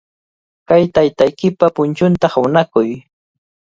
Kay taytaykipa punchunta hawnakuy.